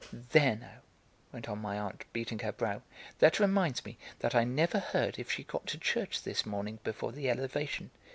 "There, now," went on my aunt, beating her brow, "that reminds me that I never heard if she got to church this morning before the Elevation.